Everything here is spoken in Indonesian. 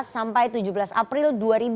sampai tujuh belas april dua ribu dua puluh